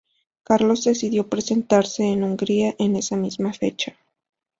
Carlos decidió presentarse en Hungría en esa misma fecha.